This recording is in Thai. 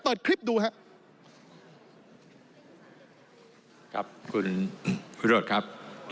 เปิดคลิปดูครับ